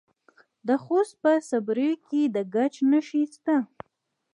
د خوست په صبریو کې د ګچ نښې شته.